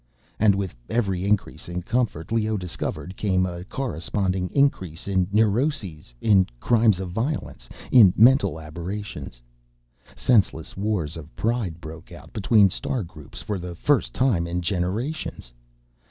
And with every increase in comfort, Leoh discovered, came a corresponding increase in neuroses, in crimes of violence, in mental aberrations. Senseless wars of pride broke out between star groups for the first time in generations.